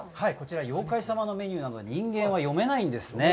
妖怪様のメニューなので、人間は読めないんですね。